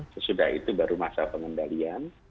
sesudah itu baru masa pengendalian